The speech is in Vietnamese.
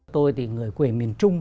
tôi thì người quê miền trung